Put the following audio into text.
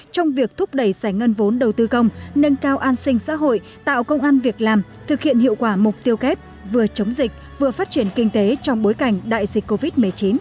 trong việc thúc đẩy giải ngân vốn đầu tư công nâng cao an sinh xã hội tạo công an việc làm thực hiện hiệu quả mục tiêu kép vừa chống dịch vừa phát triển kinh tế trong bối cảnh đại dịch covid một mươi chín